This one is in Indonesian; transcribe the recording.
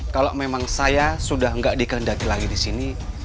kalau memang saya sudah engga dikehendaki lagi disini